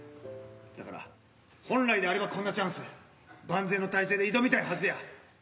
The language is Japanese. だから本来であればこんなチャンス万全の態勢で挑みたいはずや。